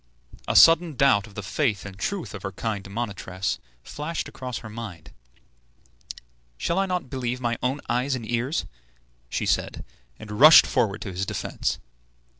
A sudden doubt of the faith and truth of her kind monitress flashed across her mind. "Shall I not believe my own eyes and ears?" she said, and rushed forward to his defence.